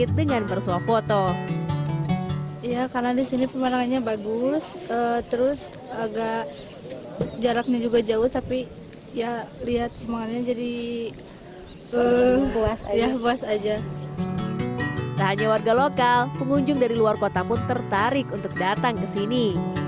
tak hanya warga lokal pengunjung dari luar kota pun tertarik untuk datang ke sini